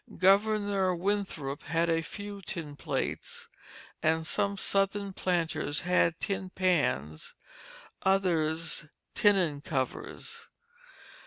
Governor Winthrop had a few tin plates, and some Southern planters had tin pans, others "tynnen covers."